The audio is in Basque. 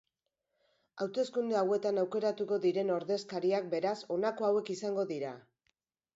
Hauteskunde hauetan aukeratuko diren ordezkariak, beraz, honako hauek izango dira.